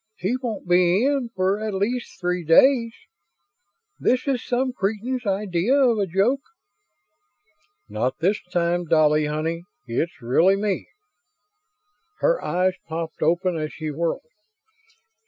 He won't be in for at least three days. This is some cretin's idea of a joke." "Not this time, Dolly honey. It's really me." Her eyes popped open as she whirled.